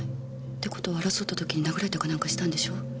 って事は争った時に殴られたかなんかしたんでしょ？